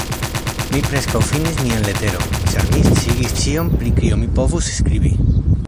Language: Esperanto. Mi preskaŭ finis mian leteron, ĉar mi sciigis ĉion, pri kio mi povus skribi.